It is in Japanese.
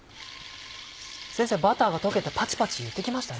先生バターが溶けてパチパチいってきましたね。